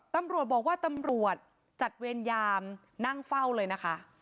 ตำรวจบอกว่าตำรวจจัดเวรยามนั่งเฝ้าเลยนะคะ